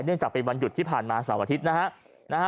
จากเป็นวันหยุดที่ผ่านมาเสาร์อาทิตย์นะฮะ